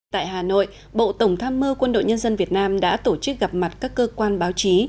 tại hà nội bộ tổng tham mưu quân đội nhân dân việt nam đã tổ chức gặp mặt các cơ quan báo chí